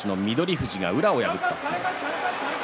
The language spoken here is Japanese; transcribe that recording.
富士が宇良を破った相撲。